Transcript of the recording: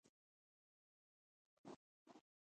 ایسټرلي د پلانرانو نیوکه کړې.